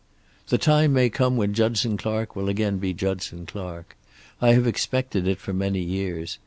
The time may come when Judson Clark will again be Judson Clark. I have expected it for many years.